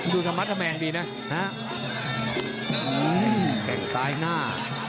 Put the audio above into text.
ดูกับมัดแมงดีนะแก่งสายหน้า